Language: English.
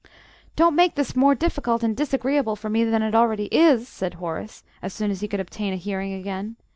"Don't make this more difficult and disagreeable for me than it is already!" said Horace, as soon as he could obtain a hearing again.